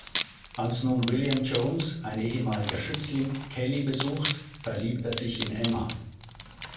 Als nun William Jones, ein ehemaliger Schützling, Kelly besucht, verliebt er sich in Emma.